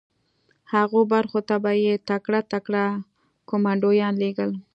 هغو برخو ته به یې تکړه تکړه کمانډویان لېږل